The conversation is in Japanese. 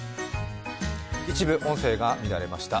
一部音声が乱れました。